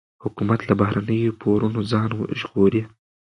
حکومت له بهرنیو پورونو ځان ژغوري.